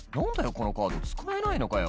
このカード使えないのかよ」